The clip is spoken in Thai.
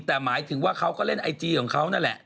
แต่หมายถึงว่าเขาก็เล่นไอจีของเขานั่นแหละ